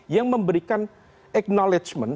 yang memberikan acknowledgement